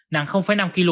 nặng năm kg